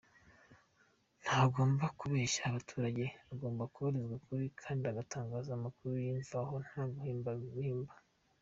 Ntagomba kubeshya abaturage, agomba kubabwiza ukuri kandi agatanga amakuru yimvaho nta guhimbahimba.